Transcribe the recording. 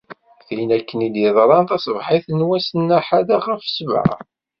Tin akken i d-yeḍran taṣebḥit n wass n ahad ɣef ssebεa.